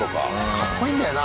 かっこいいんだよな。